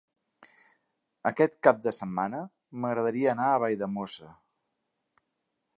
Aquest cap de setmana m'agradaria anar a Valldemossa.